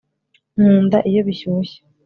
nkunda iyo bishyushye